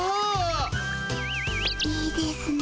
いいですね